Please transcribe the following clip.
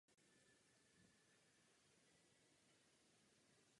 Před začátkem turné náhle přestal Vít Starý komunikovat s kapelou.